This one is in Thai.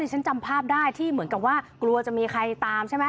ฉันจำภาพได้ที่เหมือนกับว่ากลัวจะมีใครตามใช่ไหม